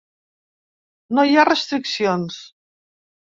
No hi ha restriccions.